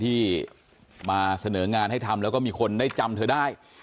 ที่มาเสนองานให้ทำแล้วก็มีคนได้จำเธอได้